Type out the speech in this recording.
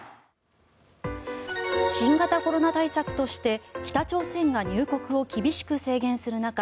新型コロナ対策として北朝鮮が入国を厳しく制限する中